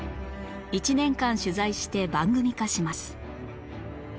１年間取材して番組化します